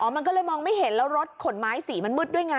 มันก็เลยมองไม่เห็นแล้วรถขนไม้สีมันมืดด้วยไง